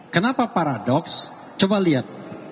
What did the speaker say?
kenapa paradoks coba lihat